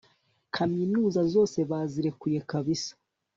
kaminuza zose bazirekuye kabisa